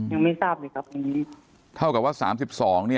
ยังไม่ทราบเลยครับอย่างนี้